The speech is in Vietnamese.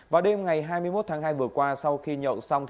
vào đêm ngày hai mươi một tháng hai vừa qua sau khi nhậu xong